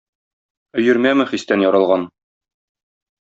Өермәме хистән яралган?